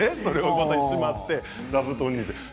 また、しまって座布団に。